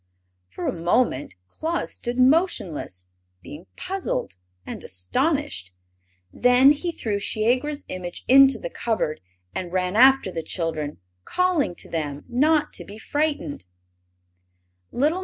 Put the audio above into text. For a moment Claus stood motionless, being puzzled and astonished. Then he threw Shiegra's image into the cupboard and ran after the children, calling to them not to be frightened.